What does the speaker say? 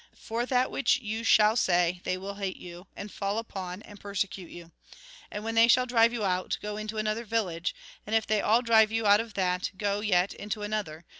" For that which you shall say, they will hate you, and fall upon, and persecute you. And when they shall drive you out, go into another village ; and if they all drive you out of that, go yet into another.